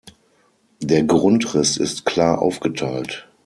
Der Grundriss ist klar aufgeteilt.